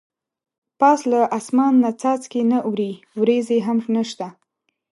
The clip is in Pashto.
پاس له اسمان نه څاڅکي نه اوري ورېځې هم نشته.